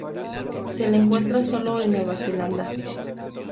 Se le encuentra solo en Nueva Zelanda.